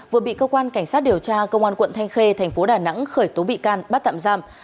vừa bị cơ quan cảnh sát điều tra công an quận thanh khê thành phố đà nẵng khởi tố bị can bắt tạm giam